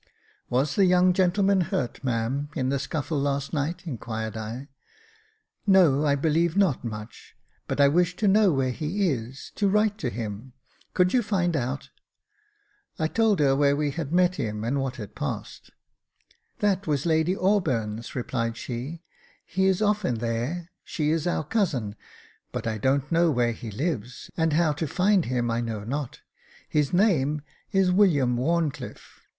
" Was the young gentleman hurt, ma'am, in the scuffle last night ?" inquired I. " No, I believe not much, but I wish to know where he is, to write to him ; could you find out ?" I told her where we had met him, and what had passed. " That was Lady Auburn's," replied she; he is often there — she is our cousin ; but I don't know where he lives, and how to find him I know not. His name is William WharnclifFe.